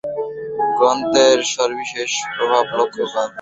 ইবন কাসীরের ইতিহাস গ্রন্থে উপরোল্লেখিত গ্রন্থের সবিশেষ প্রভাব লক্ষ্য করা যায়।